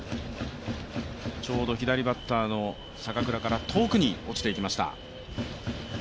ちょうど左バッターの坂倉から遠くに落ちていきました。